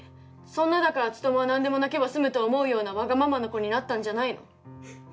そんなだから努は何でも泣けば済むと思うようなわがままな子になったんじゃないの！